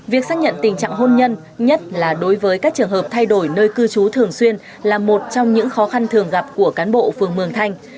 việc xác nhận tình trạng hôn nhân nhất là đối với các trường hợp thay đổi nơi cư trú thường xuyên là một trong những khó khăn thường gặp của cán bộ phường mường thanh